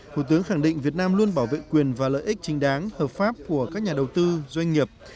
thủ tướng khẳng định việt nam luôn bảo vệ quyền và lợi ích chính đáng hợp pháp của các nhà đầu tư doanh nghiệp